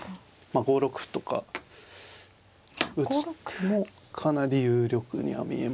５六歩とか打つのもかなり有力には見えますね。